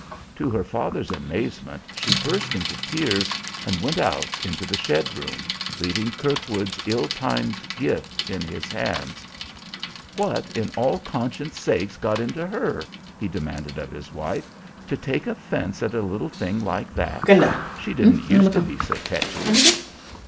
To her father's amazement, she burst into tears and went out into the shed room, leaving Kirkwood's ill timed gift in his hands. "What in all conscience' sake's got into her?" he demanded of his wife, "to take offense at a little thing like that! She didn't use to be so techy."